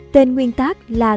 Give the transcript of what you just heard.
tên nguyên tác là